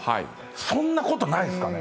そんなことないですかね？